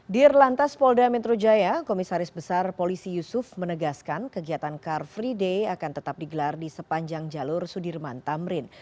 di relantas polda metro jaya komisaris besar polisi yusuf menegaskan kegiatan car free day akan tetap digelar di sepanjang jalur sudirman tamrin